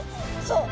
そう。